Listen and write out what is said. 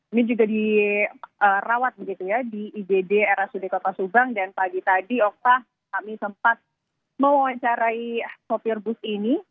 ini juga dirawat begitu ya di igd rsud kota subang dan pagi tadi okta kami sempat mewawancarai sopir bus ini